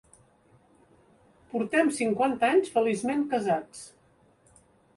Portem cinquanta anys feliçment casats.